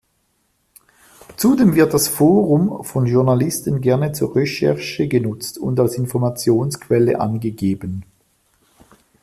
Zudem wird das Forum von Journalisten gerne zur Recherche genutzt und als Informationsquelle angegeben.